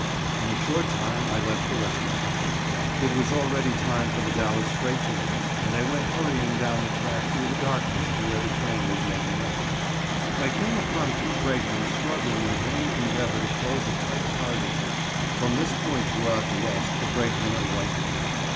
In a short time I left the restaurant. It was already time for the Dallas freight to leave, and I went hurrying down the track through the darkness to where the train was making up. I came upon two brakemen struggling in a vain endeavor to close a tight car door. (From this point throughout the West the brakemen are white men.)